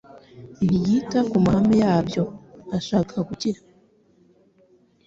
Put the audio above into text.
ntiyita ku mahame yabyo. Ashaka gukira,